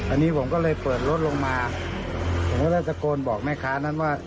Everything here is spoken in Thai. อันนี้ผมก็เลยเปิดรถลงมาผมก็เลยตะโกนบอกแม่ค้านั้นว่า